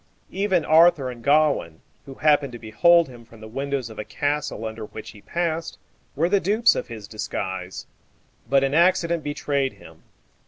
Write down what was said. Even Arthur and Gawain, who happened to behold him from the windows of a castle under which he passed, were the dupes of his disguise. But an accident betrayed him.